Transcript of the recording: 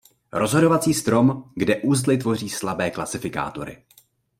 Rozhodovací strom, kde uzly tvoří slabé klasifikátory.